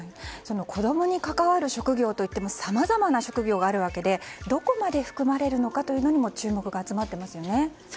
子供に関わる職業といってもさまざまな職業があるわけでどこまで含まれるのかにも注目が集まっていますよね。